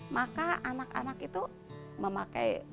maka anak anak itu memakai